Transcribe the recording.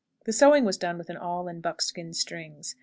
The sewing was done with an awl and buckskin strings.